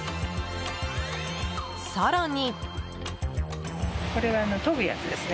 更に。